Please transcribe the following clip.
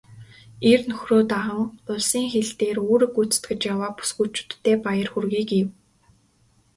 "Эр нөхрөө даган улсын хил дээр үүрэг гүйцэтгэж яваа бүсгүйчүүддээ баяр хүргэе" гэв.